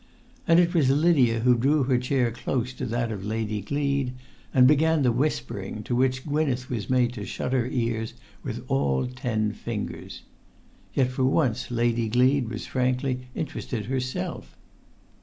And it was Lydia who drew her chair close to that of Lady Gleed, and began the whispering, to which Gwynneth was made to shut her ears with all ten fingers. Yet for once Lady Gleed was frankly interested herself.